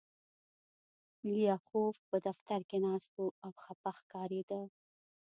لیاخوف په دفتر کې ناست و او خپه ښکارېده